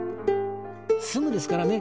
すぐですからね！